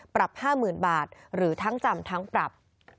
ปรับ๕๐๐๐๐บาทหรือทั้งจำทั้งปรับ